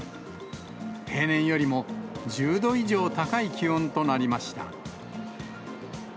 平年よりも１０度以上高い気温となりました。